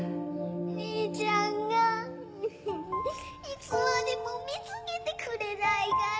兄ちゃんがいつまでも見つけてくれないから。